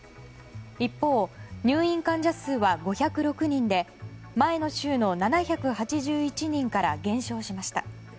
一方、入院患者数は５０６人で前の週の７８１人から減少しました。